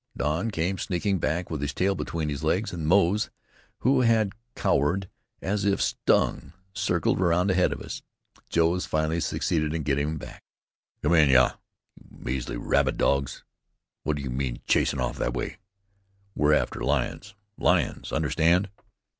Don came sneaking back with his tail between his legs, and Moze, who had cowered as if stung, circled round ahead of us. Jones finally succeeded in gettin him back. "Come in hyah! You measly rabbit dogs! What do you mean chasing off that way? We're after lions. Lions! understand?"